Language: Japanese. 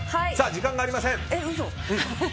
時間がありません。